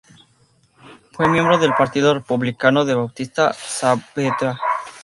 Fue miembro del Partido Republicano de Bautista Saavedra.